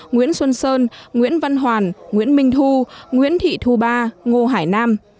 nguyễn xuân sơn nguyễn văn hoàn nguyễn minh thu nguyễn thị thu ba ngô hải nam